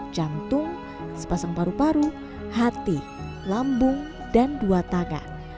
jantung sepasang paru paru hati lambung dan dua tangan